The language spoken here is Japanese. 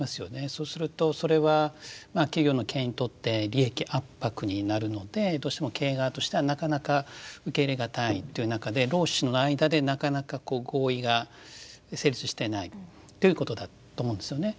そうするとそれは企業の経営にとって利益圧迫になるのでどうしても経営側としてはなかなか受け入れ難いという中で労使の間でなかなかこう合意が成立してないということだと思うんですよね。